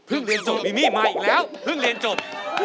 เรียนจบมิมี่มาอีกแล้วเพิ่งเรียนจบ